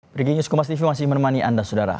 breaking news kumas tv masih menemani anda saudara